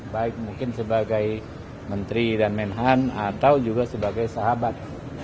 baik mungkin sebagai menteri dan menhan atau juga sebagai sahabat